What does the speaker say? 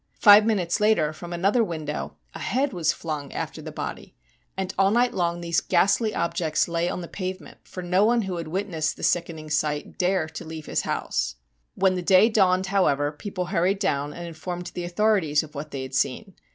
Five minutes later, from another window, a head was flung after the body, and all night long these ghastly objects lay on the pavement, for no one who had witnessed the sickening sight dare leave his house. When the day dawned, however, people hurried down and in formed the authorities of what they had seen.